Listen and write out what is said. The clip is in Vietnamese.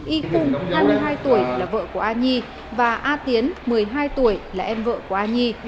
y cung hai mươi hai tuổi là vợ của a nhi và a tiến một mươi hai tuổi là em vợ của a nhi